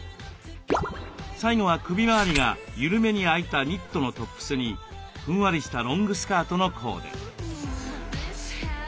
最後は首回りが緩めに開いたニットのトップスにふんわりしたロングスカートのコーデ。